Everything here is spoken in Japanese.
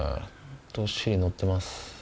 どっしり乗ってます。